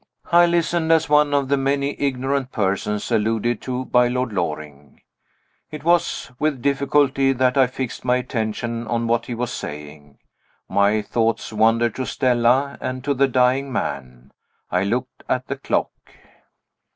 I listened, as one of the many ignorant persons alluded to by Lord Loring. It was with difficulty that I fixed my attention on what he was saying. My thoughts wandered to Stella and to the dying man. I looked at the clock.